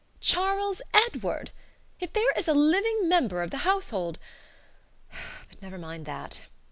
CHARLES EDWARD! If there is a living member of the household But never mind that.